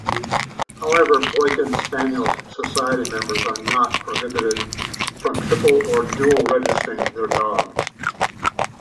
However, Boykin Spaniel Society members are not prohibited from triple or dual-registering their dogs.